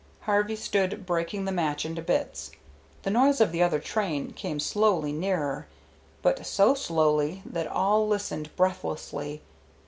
Harvey stood breaking the match into bits. The noise of the other train came slowly nearer, but so slowly that all listened breathlessly.